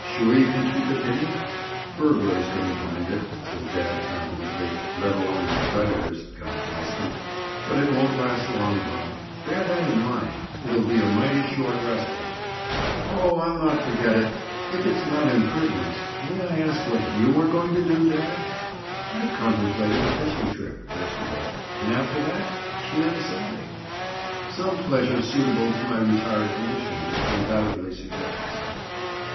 "Sure you can keep it hidden?" "Burglars couldn't find it," said dad confidently, "let alone my creditors—God bless them! But it won't last long, Bob. Bear that in mind. It'll be a mighty short respite." "Oh, I'll not forget it. If—if it's not an impertinence, may I ask what you are going to do, dad?" "I'm contemplating a fishing trip, first of all, and after that—quien sabe? Some pleasure suitable to my retired condition will undoubtedly suggest itself.